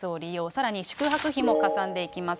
さらに宿泊費もかさんでいきます。